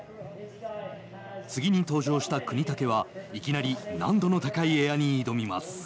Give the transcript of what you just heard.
次に登場した國武はいきなり難度の高いエアに挑みます。